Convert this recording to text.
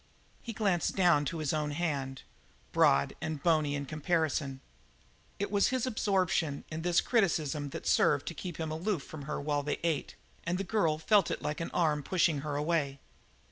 He glanced down to his own hand, broad and bony in comparison. It was his absorption in this criticism that served to keep him aloof from her while they ate, and the girl felt it like an arm pushing her away.